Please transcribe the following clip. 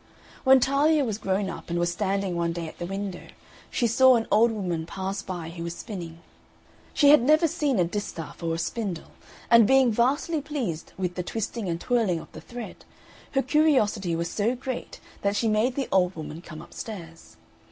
When Talia was grown up, and was standing one day at the window, she saw an old woman pass by who was spinning. She had never seen a distaff or a spindle, and being vastly pleased with the twisting and twirling of the thread, her curiosity was so great that she made the old woman come upstairs.